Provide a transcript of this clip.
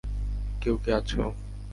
কেউ কি আছো?